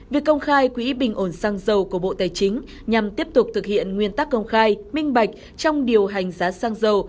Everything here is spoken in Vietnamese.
việc công khai quỹ bình ổn xăng dầu của bộ tài chính nhằm tiếp tục thực hiện nguyên tắc công khai minh bạch trong điều hành giá xăng dầu